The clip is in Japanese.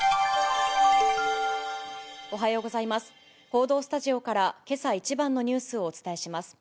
報道スタジオから、けさ一番のニュースをお伝えします。